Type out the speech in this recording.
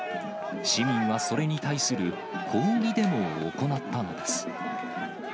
市民はそれに対する抗議デモを行ったのです。